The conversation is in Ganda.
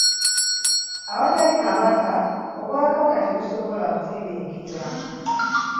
Awatali kabaka, obwakabaka tebusobola kutebenkera.